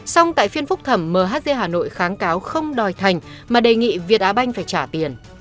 xong tại phiên phúc thẩm mhz hà nội kháng cáo không đòi thành mà đề nghị việt á banh phải trả tiền